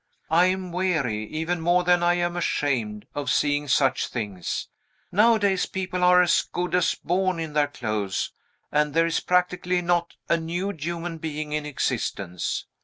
I am weary, even more than I am ashamed, of seeing such things. Nowadays people are as good as born in their clothes, and there is practically not a nude human being in existence.